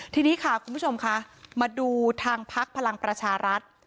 ทีนี้ค่ะคุณผู้ชมคะมาดูทางพักพลังประชารัฐ